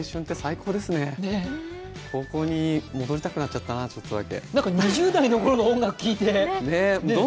高校に戻りたくなっちゃったな、ちょっとだけ。